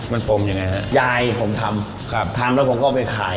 มันปมยังไงฮะยายผมทำครับทำแล้วผมก็เอาไปขาย